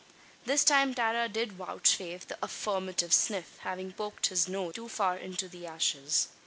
This time Tara did vouchsafe the affirmative "sniff" having poked his nose too far into the ashes.